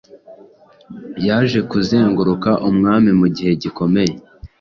Yaje kuzenguruka umwami mugihe gikomeye